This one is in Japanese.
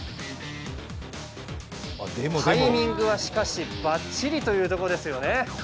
タイミングはしかしばっちりというところです。